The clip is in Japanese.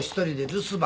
留守番！？